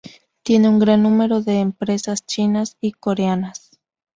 Tiene un gran número de empresas chinas y coreanas.